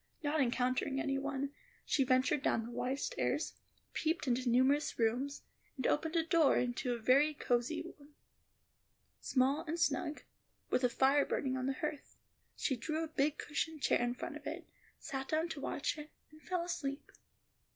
Not encountering any one, she ventured down the wide stairs, peeped into numerous rooms, and opening a door into a very cosy one, small and snug, with a fire burning on the hearth, she drew a big cushioned chair in front of it, sat down to watch it, and fell asleep.